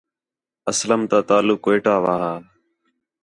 اسلم تا تعلق کوئٹہ وا ہا